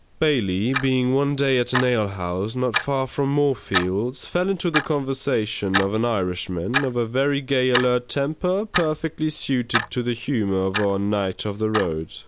Bailey being one day at an alehouse, not far from Moorfields, fell into the conversation of an Irishman, of a very gay alert temper perfectly suited to the humour of our knight of the road.